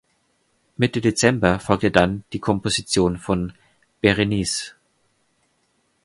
Mitte Dezember folgte dann die Komposition von "Berenice".